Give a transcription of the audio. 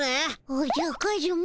おじゃカズマ。